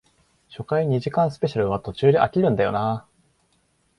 初回二時間スペシャルは途中で飽きるんだよなあ